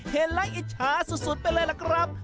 เห็นแล้วอิจฉาสุดไปเลยล่ะครับ